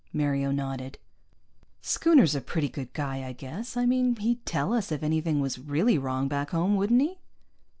Mario nodded. "Schooner's a pretty good guy, I guess. I mean, he'd tell us if anything was really wrong back home, wouldn't he?"